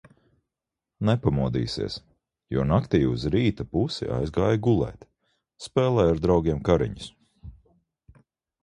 Nepamodīsies, jo naktī uz rīta pusi aizgāja gulēt. Spēlēja ar draugiem kariņus.